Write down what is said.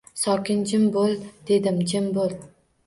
Sokin, jim bo‘l dedimmi jim bo‘l.